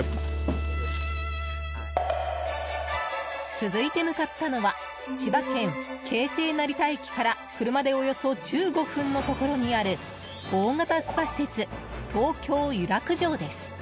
続いて向かったのは千葉県京成成田駅から車でおよそ１５分のところにある大型スパ施設、東京湯楽城です。